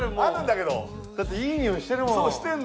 だっていいにおいしてるもん。